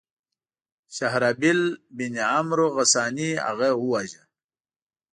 شهرابیل بن عمرو غساني هغه وواژه.